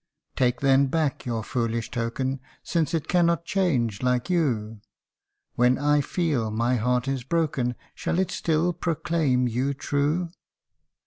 TAKE then back your foolish token, Since it cannot change like you ; When I feel my heart is broken, Shall it still proclaim you true